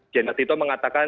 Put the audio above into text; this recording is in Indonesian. jenderal tito mengatakan